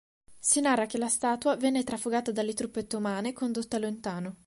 Si narra che la statua venne trafugata dalle truppe ottomane e condotta lontano.